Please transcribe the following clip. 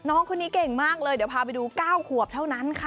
น้องคนนี้เก่งมากเลยเดี๋ยวพาไปดู๙ขวบเท่านั้นค่ะ